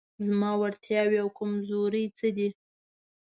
زما وړتیاوې او کمزورۍ څه دي؟